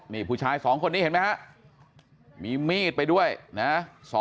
นี่ผู้ชาย๒คนนี้เห็นไหมฮะมีมีดไปด้วยนะ